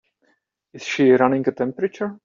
Is she running a temperature?